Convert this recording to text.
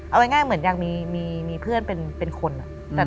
เอาง่ายเหมือนยังมีเพื่อนเป็นคน